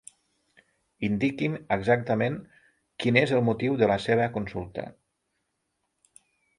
Indiqui'm exactament quin és el motiu de la seva consulta.